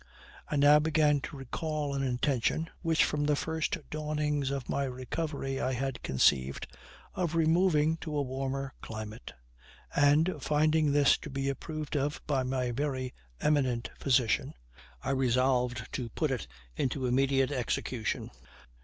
I now began to recall an intention, which from the first dawnings of my recovery I had conceived, of removing to a warmer climate; and, finding this to be approved of by a very eminent physician, I resolved to put it into immediate execution.